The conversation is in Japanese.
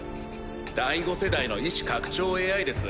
第５世代の意思拡張ＡＩです。